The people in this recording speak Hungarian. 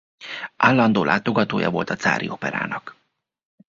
Állandó látogatója volt a cári operának.